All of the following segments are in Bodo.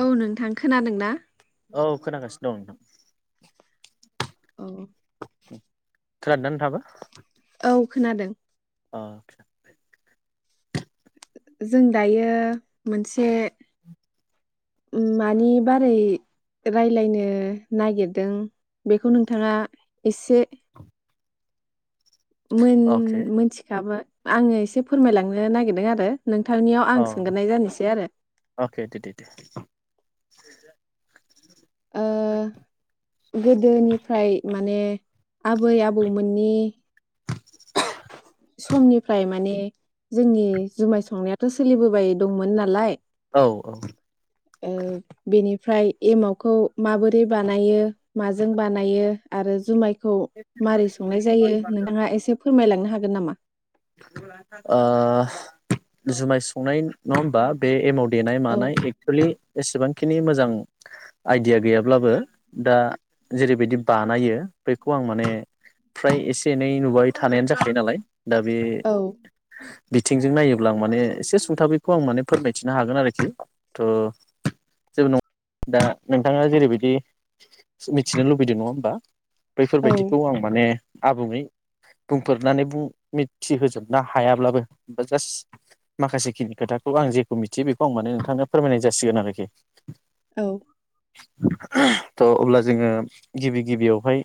औ नोंथां खोनादोंना? औ खोनागासिनो दं नोंथां । औ । खोनादोंना नोंथांआबो? औ खोनादों । आ । जों दायो मोनसे मानि बारै राय्लायनो नागिरदों बेखौ नोंथाङा एसे [inaudible] मोन अके मोनथिखाबो । आङो एसे फोरमायलांनो नागिरदों आरो । नोंथांनियाव आं अ सोंगोनाय जानोसै आरो । अके दे दे दे [inaudible] ओ गोदोनिफ्राय माने आबै आबौमोननि [inaudible] समनिफ्राय माने जोंनि जुमाय संनायाथ' सोलिबोबाय दंमोन नालाय औ औ । ओमफ्राय एमावखौ माबोरै बानायो माजों बानायो आरो जुमायखौ? खौ मारै संनाय जायो नोंथाङा एसे फोरमायलांनो हागोन नामा? ओ जुमाय संनाय नङा होमबा बे एमाउ देनाय औ मानाय एक्सलि एसेबांखिनि मोजां आइडिया गैयाब्लाबो दा जेरैबायदि बानायो बेखौ आं माने फ्राय एसे एनै नुबाय थानायानो जाखायो नालाय दा बे औ बिथिंजों नायोब्ला आं माने एसे सुंथाबैखौ आं माने फोरमायथिनो हागोन आरोखि थ' जेबो नङा दा नोंथाङा जेरैबायदि मिथिनो लुबैदों नङा होमबा? औ बैफोरबायदिखौ आं माने आबुङै बुंफोरनानै बुं मिथिहोजोबनो हायाब्लाबो बा जास्ट माखासेखिनि खोथाखौ आं जेखौ मिथियो बेखौ आं माने नोंथांनो फोरमायनाय जासिगोन आरोखि औ [unintelligible] थ अब्ला जोङो गिबि गिबियावहाय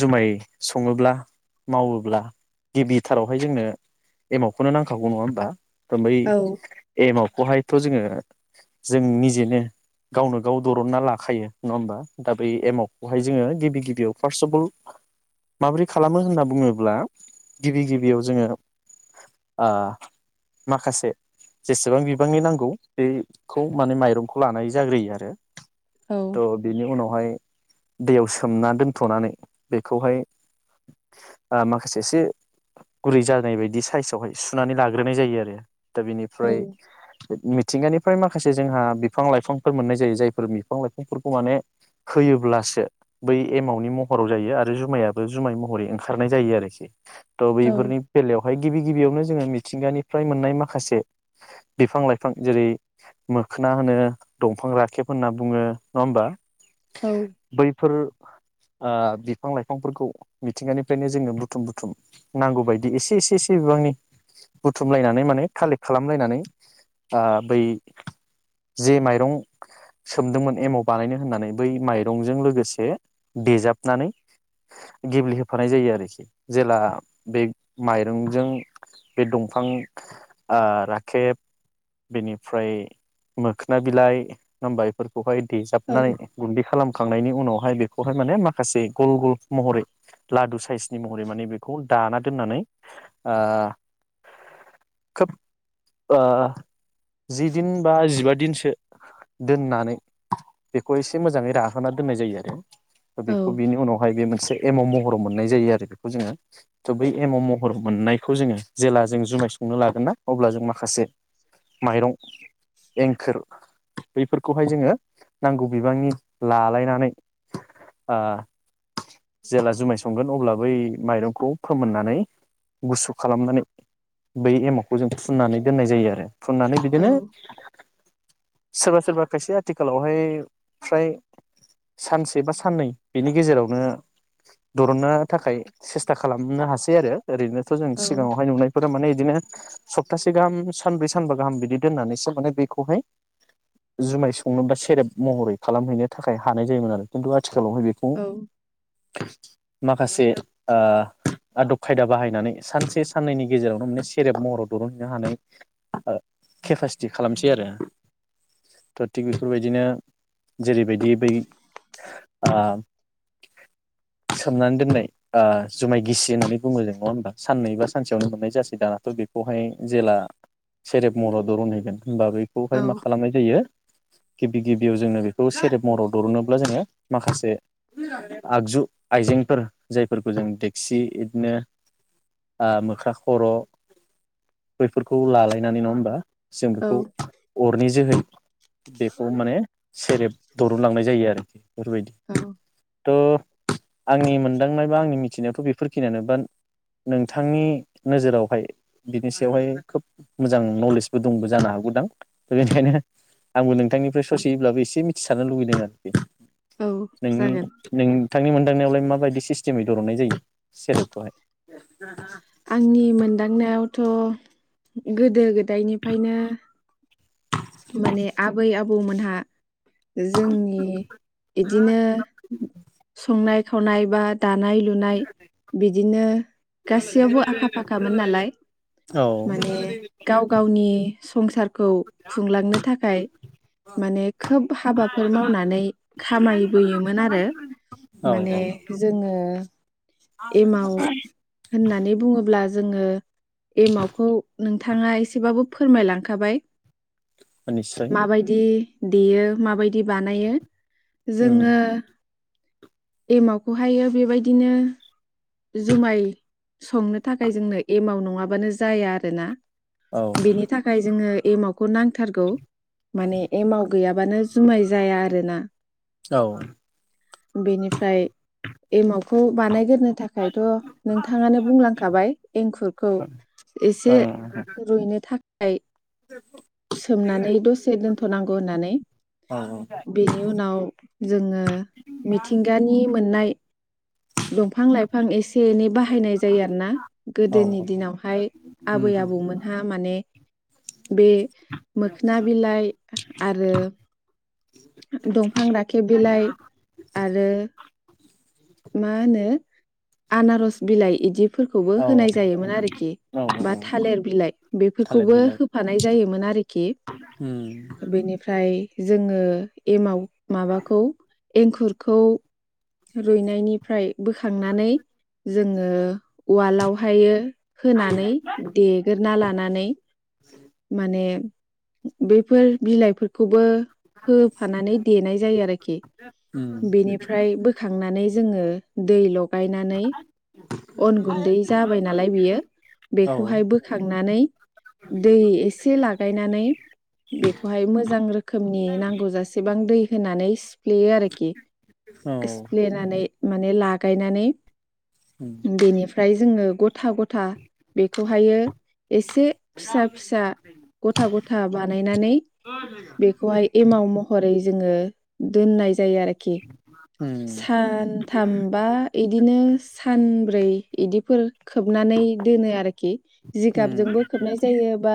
जुमाय सङोब्ला मावोब्ला गिबिथारावहाय जोंनो एमावखौनो नांखागौ नङा होमबा बै औ एमावखौहाय थ जोङो जों निजेनो गावनो गाव दरनना लाखायो नङा होमबा दा बै एमावखौहाय जोङो गिबि गिबियाव फार्स्ट अफ अल माबोरै खालामो होनना बुङोब्ला गिबि गिबियाव जोङो ओ माखासे जेसेबां बिबांनि नांगौ बेखौ माने माइरंखौ लानाय जाग्रोयो आरो औ थ बेनि उनावहाय दैयाव सोमना दोनथनानै बेखौहाय ओ माखा खासे एसे गुरै जानाय बायदि साइसआवहाय सुनानै लाग्रोनाय जायो आरो दा औ बिनिफ्राय मिथिंगानि ओमफ्राय माखासे जोंहा बिफां लाइफांफोर मोननाय जायो जायफोर बिफां लाइफांफोरखौ माने होयोब्लासो बै एमावनि महराव जायो आरो जुमायाबो जुमाय महरै ओंखारनाय जायो आरोखि [unintelligible] ट औ बैफोरनि बेलायावहाय गिबि गिबियावनो जोङो मिथिंगानिफ्राय मोननाय माखासे बिफां लाइफां जेरै मोखोना होनो दंफां राखेब होनना बुङो नङा होमबा औ बैफोर ओ बिफां लाइफांफोरखौ मिथिंगानिफ्रायनो जोङो बुथुम बुथुम नांगौ बायदि एसे एसे एसे बिबांनि बुथुमलायनानै माने कालेक्ट खालामलायनानै ओ बै जे माइरं सोमदोंमोन एमाव बानायनो होननानै बै माइरंजों लोगोसे देजाबनानै गेब्लेहोफानाय जायो आरोखि जेला बे माइरंजों बे दंफां आ राखेब बेनि ओमफ्राय मोखोना बिलाइ होनबा बेफोर बेहाय औ देेजाबनानै गुन्दै खालामखां खांनायनि उनावहाय बेखौहाय माने माखासे गल गल महरै लादु साइस महरै माने बेखौ दाना दोननानै ओ खोब जिदिन बा जिबा दिनसो दोननानै बेखौ एसे मोजाङै राहोना दोननाय जायो आरो औ बेखौ बिनि उनावहाय बे मोनसे एमाव महराव मोननाय जायो आरो बे जोङो थ बै एमाव महर मोननायखौ जोङो जेला जों जुमाय संनो लागोन ना अब्ला जों माखासे माइरं एंखोर बैफोरखौहाय जोङो नांगौ बिबांनि लालायनानै ओ जेला जुमाय संगोन अब्ला बै माइरंखौ फोमोननानै गुसु खालामनानै बै एमावखौ जों फुननानै दोननाय जायो आरो फुननानै बिदिनो सोरबा सोरबा खायसे आथिखालावहाय फ्राय सानसे बा साननै बेनि गेजेरावनो दरनना थाखाय सेस्था खालामनो हासै आरो ओरैनोथ जों सिगाङावहाय नुनायफोरा माने इदिनो सप्तासे गाहाम सानब्रै सानबा गाहाम बिदि दोननानैसो माने बेखौहाय जुमाय संनो बा सेरेब महरै खालामहैनो थाखाय हानाय जायोमोन आरो किन्तु आथ थिखालावहाय बेखौ औ मा माखासे ओ आदब खायदा बाहायनानै सानसे साननैनि गेजेरावनो माने सेरेब महराव दरुनहैनो हानाय ओ केपासिटि खालामसै आरो थ थिग बेफोरबायदिनो जेरैबायदि बै ओ सोमनानै दोननाय ओ जुमाय गिसि होननानै बुङो जों नङा ओमबा साननै बा सानसेयावनो मोननाय जासै दानाथ बेखौहाय जेला सेरेब महराव दुरन हैगोन। होमबा बेखौहाय औ मा खालामनाय जायो? गिबि गिबियाव जोंनो बेखौ सेरेब महराव दुरनोब्ला जोङो माखासे आगजु आइजेंफोर जायफोरखौ जों देक्सि, इदिनो ओ मोख्रा खर' बैफोरखौ लालायनानै नङा होमबा जों बेखौ औ अरनि जोहै बेखौ माने सेरेब दरुनलांनाय जायो आरोखि फोरबायदि औ थ आंनि मोन दांनायबा आंनि मिथिनायाथ बेफोरखिनियानो बाद नोंथांनि नोजोरावहाय बिनि सायावहाय खोब मोजां नलेजबो दंबो जानो हागौदां बेनिखायनो आंबो नोंथांनिफ्राय ससेयैब्लाबो इसे मिथिसानो लुुबैदों आरोखि। नोंनि जागोन नोंथांनि मोन्दांनायावलाय मा बायदिस सिस्टेमै दरुनाय जायो सेरेब खौहाय? आंनि मोनदांनायावथ थ गोदो गोदायनिफायनो माने आबै आबौमोनहा जोंनि इदिनो संनाय खावनाय बाद दानाय लुनाय बिदिनो गासैयावबो आखा फाखामोन नालाय औ माने गाव गावनि संसार खौ खुंलांनो थाखाय माने खोब हाबाफोर मावनानै खामायबोयोमोन आरो औ माने जोङो एमाव होननानै बुङोब्लाज जोङो एमावखौ नोंथाङा एसेबाबो फोरमायलांखाबाय। औ निस्सय माबायदि देयो, माबायद बानायो उम जोङो एमावखौहायो बेबायदिनो जुमाय संनो थाखाय जोंनो एमाव नङाबानो जाया आरो ना। औ बेनि थाखाय जोङो एमाव खौ नांथारगौ। माने एमाव गैया बानो जुमाय जाया आरोना। औ बेनिफ्राय एमाव खौ बानायग्रोनो थाख थाखायथ नोंथाङानो बुंलांखाबाय एंखुरखौ एसे ओ रुइनो थाखाय [unintelligible] सोमनानै दसे दोनथनांगौ होननानै बेनि उनाव जोङो मिथिंगानि मोननाय दंफां लाइफां फां इसे एसे एनै बाहायनाय जायो आरोना औ औ गोदोनि दिनावहाय औ आबै आबौमोनहा माने बे मोखोना बिलाइ ओ आरो दंफां राखेब बिलाइ आरो मा होनो आनारस बिलाइ इदि। फोरखौबो औ होनाय जायोमोन आरोखि औ बा औ थालिर बिलाइ थालिर बेफोरखौबो बिलाइ होफानाय जायोमोन आरोखि बेनिफ्राय जोङो एमाव माबाखौ एंखुरखौ रुइनायनिफ्राय बोखांनानै जो जोङो उवालावहायो होनानै देग्रोना लानानै माने बेफोर बिलाइफोरखौ खौबो होफानानै देनाय जायो आरोखि बेनिफ्राय बो खांनानै जोङो दै ल गायनानै अन गुन्दै जाबाय नालाय बियो औ बेखौहाय बोखांनानै दै एसे लागायनानै बेखौहाय मोजां रोखोमनि नांगौ जासेबां दै होनानै सि फ्लियो आरोखि औ सिप्लेनानै माने ला गायनानै बेनिफ्राय जोङो गथा गथा बेखौहायो एसे फिसा फिसा गथा गथा बानायनानै बेखौहाय एमाव महरै जोङो दोननाय जायो आरोखि। सानथामबा इदिनो सानब्रै इदिफोर खोबनानै दोनो आरोखि जिगाबजोंबो खोबनाय जायो बा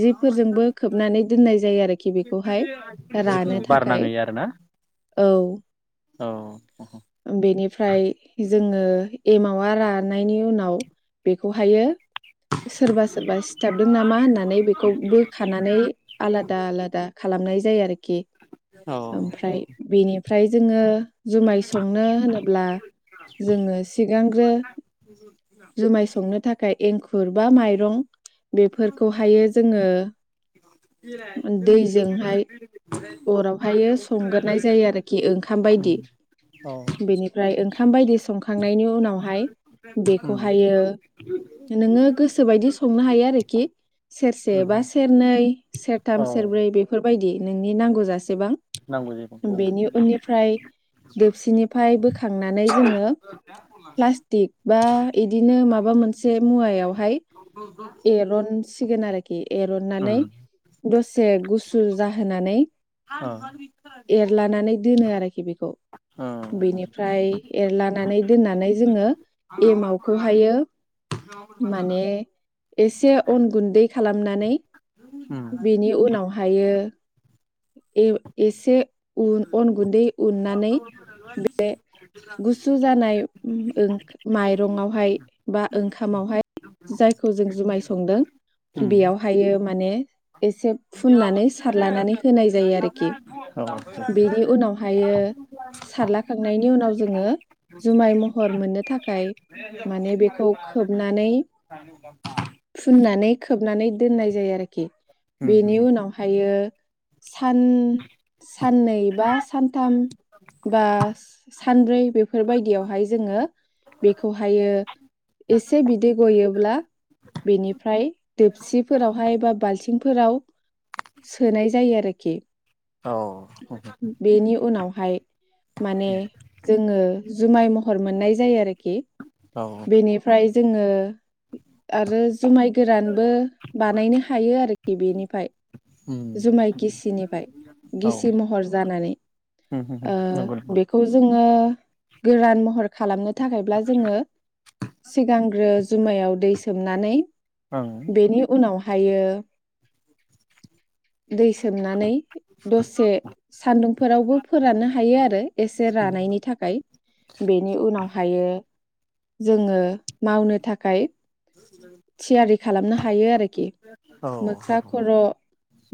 जिफोरजोंबो खोबनानै दोननाय जायो आरोखि बेखौहाय जिखुनु रानो बार थाखाय नाङै आरोना औ। औ। बेनिफ्राय जोङो एमावा रानायनि उनाव बेखौहायो सोरबा सोरबा सिथाबदों नामा होननानै बेखौ बोखानानै आलादा आलादा खालामनाय जायो आरोखि औ ओमफ्राय बेनिफ्राय जोङो जुमाय संनो होनोब्ला जोङो सिगांग्रो जुमाय संनो थाखाय एंखुर बा माइरं बेफोरखौहायो जोङो दैजोंहाय अरावहायो संगोरनाय जायो आरोखि ओंखाम बायदि [unintelligible] बेनिफ्राय ओंखाम बायदि संखांनायनि उनावहाय बेखौहायो नोङो गोसोबायदि संनो हायो आरोखि सेरसे बा सेरनै नै सेरथाम औ सेरब्रै बेफोर बायदि नोंनि नांगौ जासेबां। नांगौ बेनि उननिफ्राय [unintelligible] दोबसिनिफ्राय बोखांनानै जोङो प्लास्टिक बा इदिनो माबा मोनसे मुवायावहाय एरन सिगोन आरो खि औ एरननानै दसे गुसु सु जाहोनानै औ एरलानानै दोनो आरोखि बेखौ। नंगौ बेनिफ्राय एरलानानै दोननानै जोङो एमावखौहायो माने एसे अन गुन्दै खालामनानै बेनि उनाव हायो ए-एसे उन अन गुन्दै उननानै बे गुसु जानाय ओ माइरंआवहाय बा ओंखामावहाय जायखौ जों जुमाय संदों बेयावहायो मा माने एसे फुननानै सारलानानै होनाय जायो आरोखि बेनि उनावहायो [unintelligible] सारलाखांनायनि उनाव जोङो जुमाय महर मोननो थाखाय माने बेखौ खोबनानै फुननानै खोबना नानै दोननाय जायो आरोखि। बेनि उनावहायो सान साननै बा सानथाम बा सानब्रै बेफोरबायदियावहाय जोङो बेखौहायो एसे बिदै गयोब्ला बेनिफ्राय दोबसिफोरावहाय बा बाल्थिंफोराव सोनाय जायो आरोखि। बेनि उनाव हाय। माने जोङो जुमाय महर मोननाय जायो आरोखि। बेनिफ्राय जोङो आरो जुमाय गोरानबो बानायनो हायो आरोखि बेनिफाय जुमाय गिसिनिफाय गिसि महर जानानै। ओ बेखौ जोङो गोरान महर खालामनो थाखायब्ला जोङो सिगांग्रो जुमायाव दै सोमनानै बेनि उनाव हायो दै सोमनानै दसे सान्दुंफोरावबो हायो आरो एसे रानायनि थाखाय बेनि उनाव हायो जोङो मावनो थाखाय थियारि खालामनो हायो आरोखि मोख्रा खर'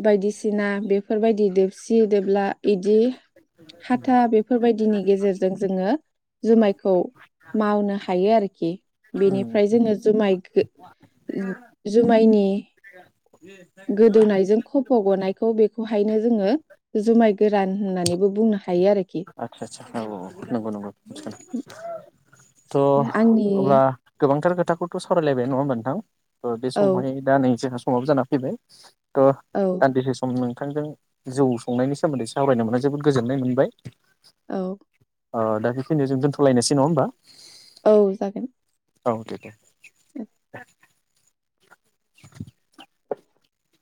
बायदिसिना बेफोरबायदि दोबसि दोबला बिदि हाथा नंगौ बेफोरबायदिनि गेजेरजों जोङो जुमायखौ मावनो हायो आरोखि बेनिफ्राय औ जोङो जुमाय गो-जुमायनि गोदौनायजों खफ' गनायखौ बेखौहायनो जोङो जुमाय गोरान होननानैबो बुंनो हायो आरोखि आदसा आदसा औ औ नंगौ नंगौ त आंनि अब्ला गोबांथार‌ खो खोथाखौथ' सावरायलायबाय नङा होमबा नोंथां। ओ बे औ समावहाय दा नै जोंहा समाबो जाना फैबाय। थ' औ दान्दिसे सम नों नोंथांजों जौ संनायनि सोमोन्दै सावरायनो मोनना जोबोद गोजोननाय मोनबाय। औ। ओ दा बेखिनियाव जों दोनथ'लायनोसै नङा होमबा। औ जागोन। औ दे दे। [inaudible] [inaudible]